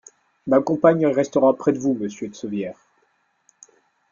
Ma compagne restera près de vous, monsieur de Sauvières.